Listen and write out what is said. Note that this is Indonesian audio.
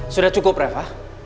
sudah cukup reva